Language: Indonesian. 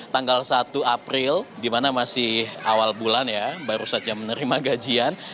tanggal satu april di mana masih awal bulan ya baru saja menerima gajian